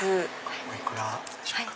お幾らでしょうか？